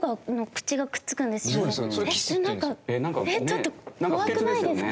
ちょっと怖くないですか？